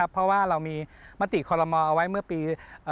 เพราะว่าเรามีมติคอลโมเอาไว้เมื่อปี